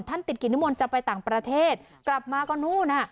ติดกิจนิมนต์จะไปต่างประเทศกลับมาก็นู่นน่ะ